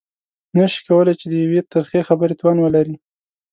نه شي کولای چې د يوې ترخې خبرې توان ولري.